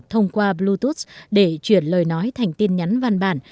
thông qua bluetooth để chuyển lời nói thành tin nhắn văn bản